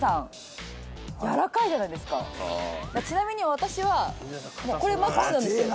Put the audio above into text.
ちなみに私はこれマックスなんですよ。